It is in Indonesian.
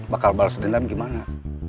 bakal balas dendam gimana